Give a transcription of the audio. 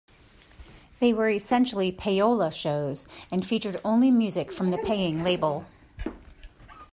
They were essentially 'payola' shows, and featured only music from the paying label.